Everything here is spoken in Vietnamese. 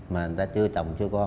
mà người ta chưa chồng chưa con